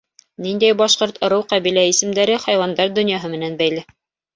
Ниндәй башҡорт ырыу-ҡәбилә исемдәре хайуандар доньяһы менән бәйле?